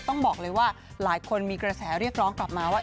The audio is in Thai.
ต้องบอกเลยว่าหลายคนมีกระแสเรียกร้องกลับมาว่า